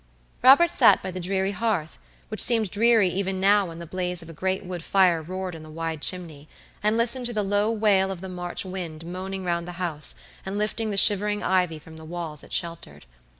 Robert sat by the dreary hearth, which seemed dreary even now when the blaze of a great wood fire roared in the wide chimney, and listened to the low wail of the March wind moaning round the house and lifting the shivering ivy from the walls it sheltered.